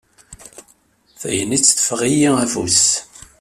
Tagnit teffeɣ-iyi afus.